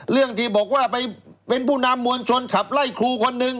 เรื่องที่บอกว่าไปเป็นผู้นำมวลชนขับไล่ครูคนนึง